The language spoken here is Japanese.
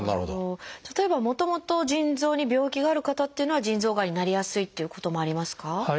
例えばもともと腎臓に病気がある方っていうのは腎臓がんになりやすいっていうこともありますか？